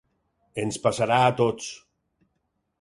Ens passarà a tots.